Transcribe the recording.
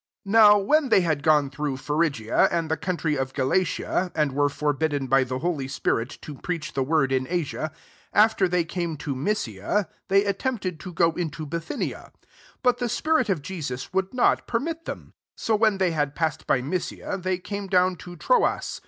6 Now when they had gone through Phrygia, and the coun try of Galatia, and were forbid den by the holy spirit to preach the word in Asia ; 7 after they came to Mysia, they attempted to go into Bithyuia: but the spirit of Jesus would not permit them. 8 So when they had pass ed by Mysia, they came down toTroas.